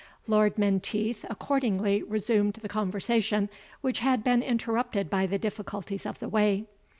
Lord Menteith accordingly resumed the conversation, which had been interrupted by the difficulties of the way.